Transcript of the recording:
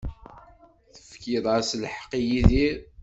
Tefkiḍ-as lḥeqq i Yidir.